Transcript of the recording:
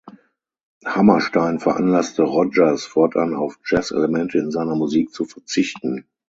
Hammerstein veranlasste Rodgers, fortan auf Jazzelemente in seiner Musik zu verzichten.